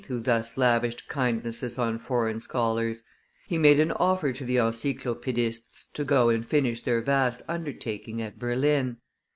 who thus lavished kindnesses on foreign scholars: he made an offer to the Encyclopaedists to go and finish their vast undertaking at Berlin.